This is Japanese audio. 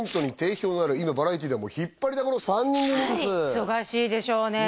忙しいでしょうね